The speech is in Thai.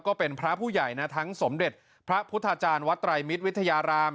ก็เป็นพระผู้ใหญ่นะทั้งสมเด็จพระพุทธาจารย์วัดไตรมิตรวิทยาราม